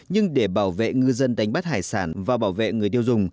nhưng để bảo vệ ngư dân đánh bắt hải sản và bảo vệ người tiêu dùng